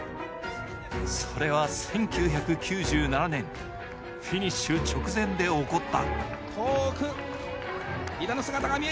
それは１９９７年、フィニッシュ直前で起こった。